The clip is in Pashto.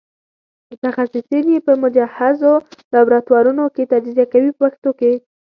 متخصصین یې په مجهزو لابراتوارونو کې تجزیه کوي په پښتو کې.